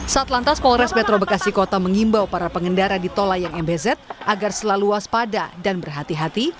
satlantas polres metro bekasi kota mengimbau para pengendara di tol layang mbz agar selalu waspada dan berhati hati